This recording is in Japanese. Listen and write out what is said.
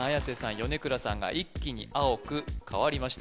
米倉さんが一気に青く変わりました